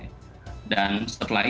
dan setelah itu kemudian citranya naik ya